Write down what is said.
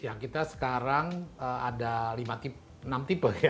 ya kita sekarang ada enam tipe ya